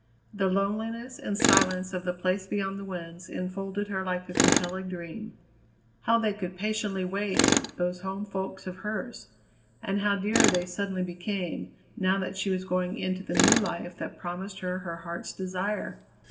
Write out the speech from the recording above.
The loneliness and silence of the Place Beyond the Winds enfolded her like a compelling dream. How they could patiently wait, those home folks of hers! And how dear they suddenly became, now that she was going into the new life that promised her her Heart's Desire!